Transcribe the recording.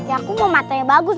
ya aku mau matanya bagus